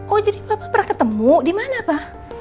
oh jadi papa pernah ketemu di mana pa